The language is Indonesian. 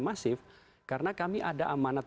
masif karena kami ada amanat